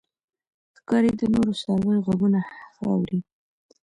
ښکاري د نورو څارویو غږونه ښه اوري.